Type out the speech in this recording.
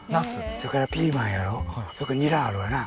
それからピーマンやろそれからニラあるわな